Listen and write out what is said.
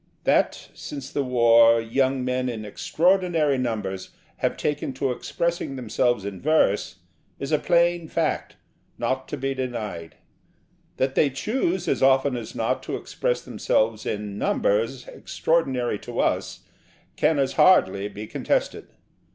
That, since the War, young men in extraordinary numbers have taken to expressing themselves in verse is a plain fact, not to be denied: that they choose, as often as not, to express themselves in 'numbers' extraordinary to us can as hardly be contested.